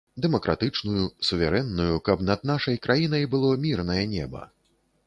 Дэмакратычную, суверэнную, каб над нашай краінай было мірнае неба.